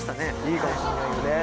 いいかもしんないよね。